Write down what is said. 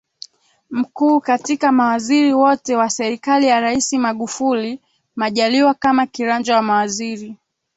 Mkuu Katika mawaziri wote wa serikali ya Rais Magufuli Majaliwa kama kiranja wa mawaziri